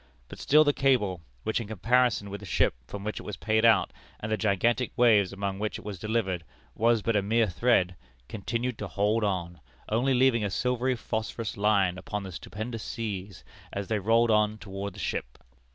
But still the cable, which, in comparison with the ship from which it was paid out, and the gigantic waves among which it was delivered, was but a mere thread, continued to hold on, only leaving a silvery phosphorous line upon the stupendous seas as they rolled on toward the ship.